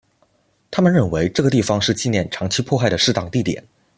他们认为这个地方是纪念长期迫害的适当地点。